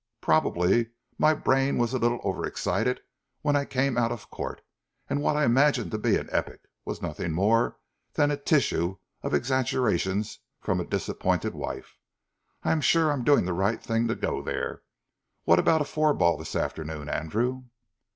Probably my brain was a little over excited when I came out of Court, and what I imagined to be an epic was nothing more than a tissue of exaggerations from a disappointed wife. I'm sure I'm doing the right thing to go there.... What about a four ball this afternoon, Andrew?"